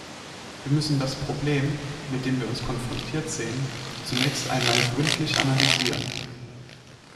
Wir müssen das Problem, mit dem wir uns konfrontiert sehen, zunächst einmal gründlich analysieren.